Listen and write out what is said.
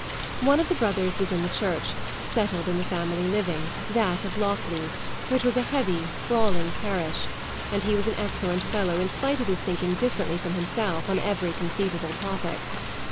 One of the brothers was in the Church, settled in the family living, that of Lockleigh, which was a heavy, sprawling parish, and was an excellent fellow in spite of his thinking differently from himself on every conceivable topic.